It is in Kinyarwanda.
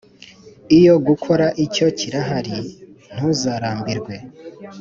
iyo gukora icyo kirahari ntuzarambirwe